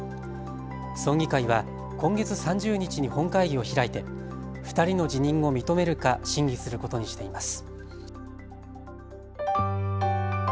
村議会は今月３０日に本会議を開いて２人の辞任を認めるか審議することにしています。